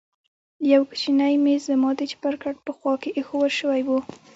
يو کوچنى ميز زما د چپرکټ په خوا کښې ايښوول سوى و.